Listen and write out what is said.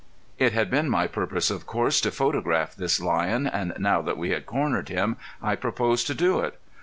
It had been my purpose, of course, to photograph this lion, and now that we had cornered him I proposed to do it.